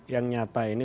yang nyata ini